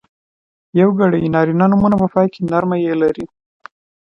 یوګړي نرينه نومونه په پای کې نرمه ی لري.